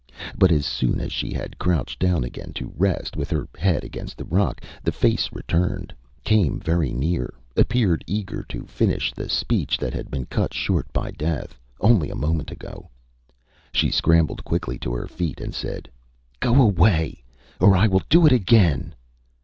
But as soon as she had crouched down again to rest, with her head against the rock, the face returned, came very near, appeared eager to finish the speech that had been cut short by death, only a moment ago. She scrambled quickly to her feet and said: ÂGo away, or I will do it again.